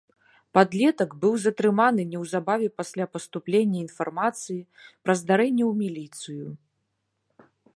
Падлетак быў затрыманы неўзабаве пасля паступлення інфармацыі пра здарэнне ў міліцыю.